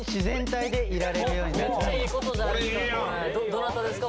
どなたですか？